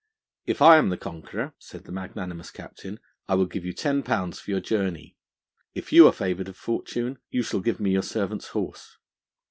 'If I am the conqueror,' said the magnanimous Captain, 'I will give you ten pounds for your journey. If you are favoured of fortune, you shall give me your servant's horse.'